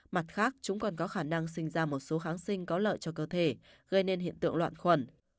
mặt khác chúng còn có khả năng sinh ra một số kháng sinh có lợi cho cơ thể gây nên hiện tượng loạn khuẩn